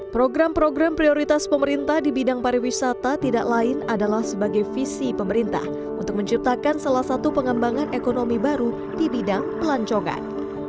program program prioritas pemerintah di bidang pariwisata tidak lain adalah sebagai visi pemerintah untuk menciptakan salah satu pengembangan ekonomi baru di bidang pelancongan